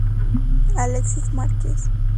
Alexis Márquez